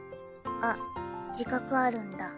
あっ自覚あるんだ。